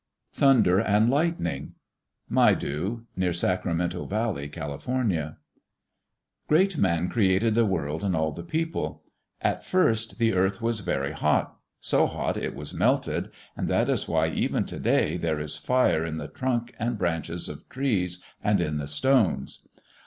Thunder and Lightning Maidu (near Sacramento Valley, Cal.) Great Man created the world and all the people. At first the earth was very hot, so hot it was melted, and that is why even to day there is fire in the trunk and branches of trees, and in the stones.